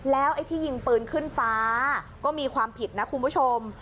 แล้วไอ้ที่ยิงปืนขึ้นฟ้าก็มีความผิดนะคุณผู้ชม